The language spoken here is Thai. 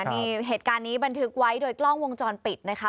นี่เหตุการณ์นี้บันทึกไว้โดยกล้องวงจรปิดนะคะ